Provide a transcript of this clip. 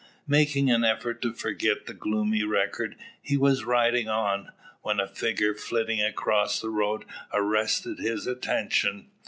Making an effort to forget the gloomy record, he was riding on, when a figure flitting across the road arrested his attention.